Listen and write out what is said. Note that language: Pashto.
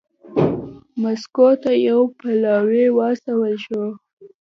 مسکو ته یو پلاوی واستول شو.